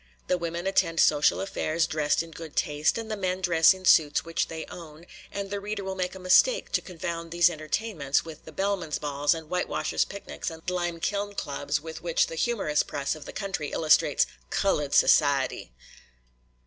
The women attend social affairs dressed in good taste, and the men in dress suits which they own; and the reader will make a mistake to confound these entertainments with the "Bellman's Balls" and "Whitewashers' Picnics" and "Lime kiln Clubs" with which the humorous press of the country illustrates "Cullud Sassiety."